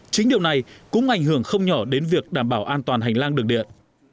chính điều này cũng ảnh hưởng không nhỏ đến việc đảm bảo an toàn hành lang đường điện